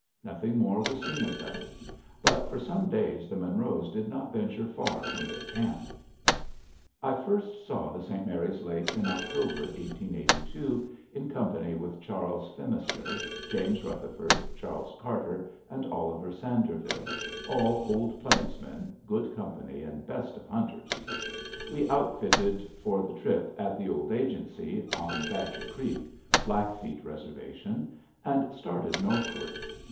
Nothing more was seen of them. But for some days the Monroes did not venture far from their camp. I first saw the St. Mary's Lakes in October, 1882, in company with Charles Phemmister, James Rutherford, Charles Carter, and Oliver Sanderville, all old plainsmen, good company, and best of hunters. We outfitted for the trip at the Old Agency, on Badger Creek, Blackfeet Reservation, and started northward.